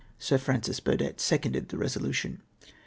"" Sir Fkancis Buedett seconded the resolution."